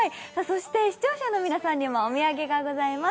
視聴者の皆さんにもお土産があります。